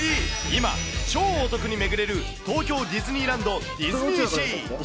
今、超お得に巡れる東京ディズニーランド、ディズニーシー。